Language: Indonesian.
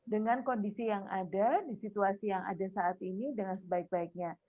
dengan kondisi yang ada di situasi yang ada saat ini dengan sebaik baiknya